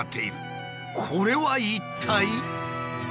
これは一体。